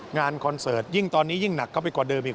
คอนเสิร์ตยิ่งตอนนี้ยิ่งหนักเข้าไปกว่าเดิมอีก